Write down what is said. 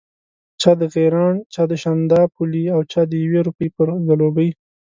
چا د غیراڼ، چا د شانداپولي او چا د یوې روپۍ پر ځلوبۍ.